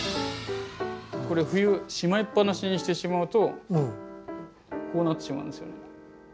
これ冬しまいっぱなしにしてしまうとこうなってしまうんですよね。